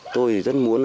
tôi rất muốn